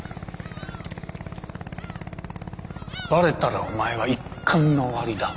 バレたらお前は一巻の終わりだ。